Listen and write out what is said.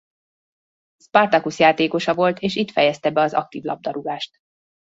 Spartacus játékosa volt és itt fejezte be az aktív labdarúgást.